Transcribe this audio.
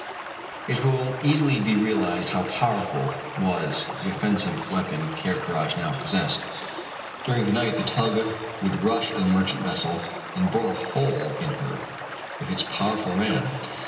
It will easily be realized how powerful was the offensive weapon Ker Karraje now possessed. During the night the tug would rush at a merchant vessel, and bore a hole in her with its powerful ram.